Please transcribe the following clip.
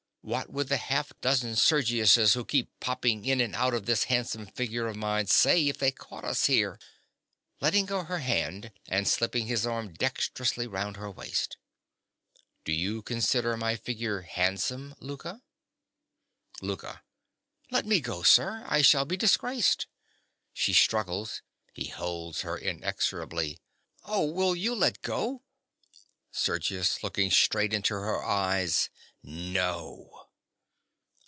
What would the half dozen Sergiuses who keep popping in and out of this handsome figure of mine say if they caught us here? (Letting go her hand and slipping his arm dexterously round her waist.) Do you consider my figure handsome, Louka? LOUKA. Let me go, sir. I shall be disgraced. (She struggles: he holds her inexorably.) Oh, will you let go? SERGIUS. (looking straight into her eyes). No.